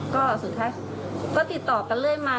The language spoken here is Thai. ก็สุดท้ายก็ติดต่อกันเรื่อยมา